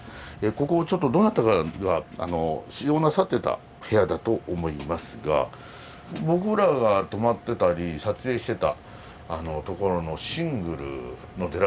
ここちょっとどなたかが使用なさってた部屋だと思いますが僕らが泊まってたり撮影してた所のシングルのデラックスの下がこういう形になってるんですね。